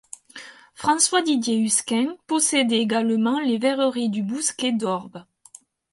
François-Didier Usquin possédait également les verreries du Bousquet d'Orb.